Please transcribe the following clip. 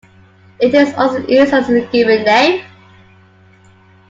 It is also used as a given name.